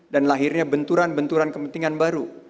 dan lahirnya benturan benturan kepentingan baru